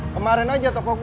kan saya kena doa vincent kan